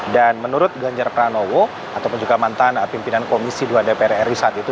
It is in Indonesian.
dan menurut ganjar pranowo ataupun juga mantan pimpinan komisi dua dprri saat itu